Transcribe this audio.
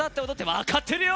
分かってるよ。